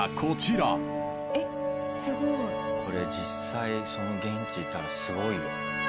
これ実際その現地行ったらすごいよ。